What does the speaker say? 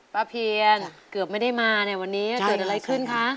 เพียนเกือบไม่ได้มาเนี่ยวันนี้เกิดอะไรขึ้นคะ